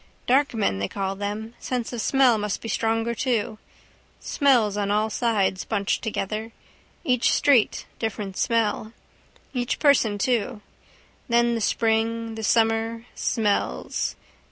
Dark men they call them. Sense of smell must be stronger too. Smells on all sides, bunched together. Each street different smell. Each person too. Then the spring, the summer: smells.